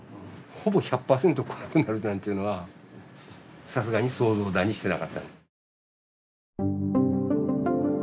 ほぼ１００％来なくなるなんていうのはさすがに想像だにしてなかった。